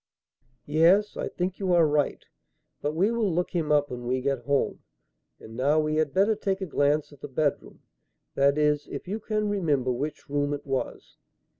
"Yes, I think you are right; but we will look him up when we get home. And now we had better take a glance at the bedroom; that is, if you can remember which room it was."